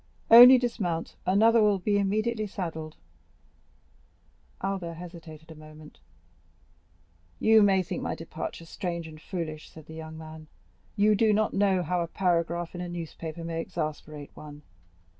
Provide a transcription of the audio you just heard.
"Only dismount; another will be immediately saddled." Albert hesitated a moment. "You may think my departure strange and foolish," said the young man; "you do not know how a paragraph in a newspaper may exasperate one.